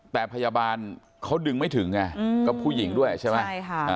แต่พยาบาลเขาดึงไม่ถึงไงก็ผู้หญิงด้วยใช่ไหมใช่ค่ะ